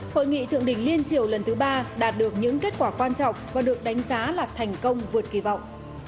hội nghị thượng đỉnh liên triều lần thứ ba đạt được những kết quả quan trọng và được đánh giá là thành công vượt kỳ vọng